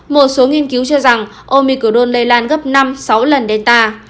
một số nghiên cứu cho rằng omicol lây lan gấp năm sáu lần delta